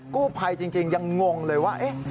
กู้ภัยจริงยังงงเลยว่า